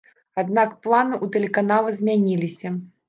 Аднак планы ў тэлеканала змяніліся.